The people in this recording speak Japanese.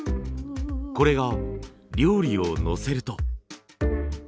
これが料理をのせると。